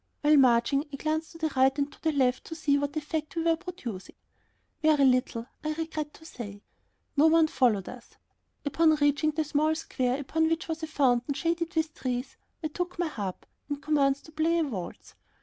While marching I glanced to the right and to the left to see what effect we were producing. Very little, I regret to say. No one followed us. Upon reaching the small square upon which was a fountain shaded with trees, I took my harp and commenced to play a waltz.